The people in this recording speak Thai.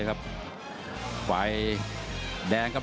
ฝ่ายแดงครับ